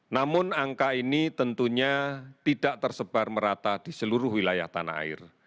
namun angka ini tentunya tidak tersebar merata di seluruh wilayah tanah air